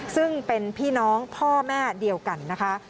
ซึ่งเป็นพี่น้องพ่อแม่เดียวกันนะคะ